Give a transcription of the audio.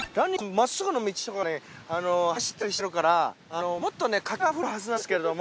まっすぐの道とかがね走ったりしてるからもっとね活気があふれるはずなんですけれども。